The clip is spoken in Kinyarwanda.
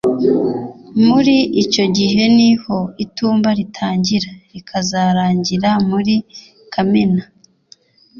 muri icyo gihe ni ho itumba ritangira rikazarangira muri kamena